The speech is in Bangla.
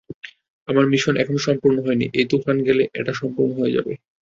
আমার মিশন এখনও সম্পুর্ন হয় নি এই তুফান গেলে, এটা সম্পূর্ণ হয়ে যাবে।